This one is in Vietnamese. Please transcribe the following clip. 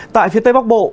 tại phía tây bắc bộ